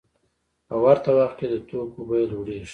په ورته وخت کې د توکو بیه لوړېږي